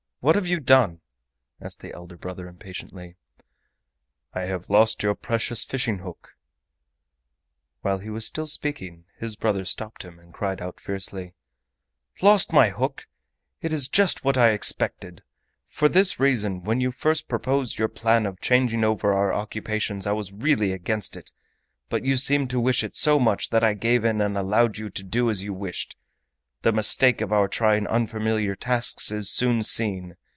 —what have you done?" asked the elder brother impatiently. "I have lost your precious fishing hook—" While he was still speaking his brother stopped him, and cried out fiercely: "Lost my hook! It is just what I expected. For this reason, when you first proposed your plan of changing over our occupations I was really against it, but you seemed to wish it so much that I gave in and allowed you to do as you wished. The mistake of our trying unfamiliar tasks is soon seen!